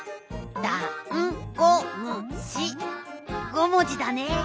５もじだね。